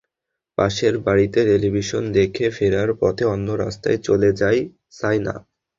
পাশের বাড়িতে টেলিভিশন দেখে ফেরার পথে অন্য রাস্তায় চলে যায় সায়না।